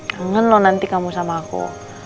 kangen loh nanti kamu sama aku